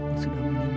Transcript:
bapak sudah mending